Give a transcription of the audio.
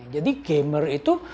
jadi gamer itu